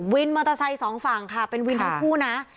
วินมอเตอร์ไซค์สองฝั่งค่ะเป็นวินทั้งคู่นะ